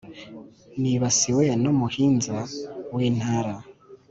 Nibasiwe n'umuhinza w'Intara